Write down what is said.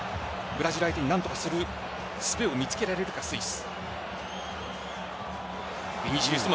ブラジル相手に何とかするすべを見つけられるかスイス。